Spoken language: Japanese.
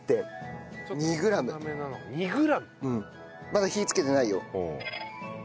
まだ火つけてないよ。